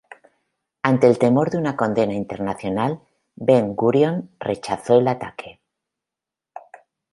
Ante el temor de una condena internacional, Ben-Gurión rechazó el ataque.